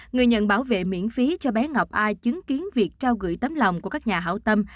người nhận bảo vệ miễn phí cho bé ngọc ai chứng kiến việc trao gửi tấm lòng của các nhà hảo tâm